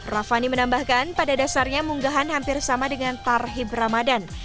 rafani menambahkan pada dasarnya munggahan hampir sama dengan tarhib ramadan